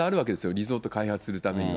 リゾート開発するためには。